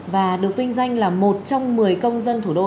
và được vinh danh là một trong một mươi công dân thủ đô